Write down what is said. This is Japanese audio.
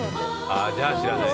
じゃあ知らない。